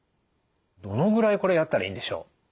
どのぐらいこれやったらいいんでしょう？